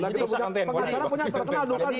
pengacara punya terkenal bukan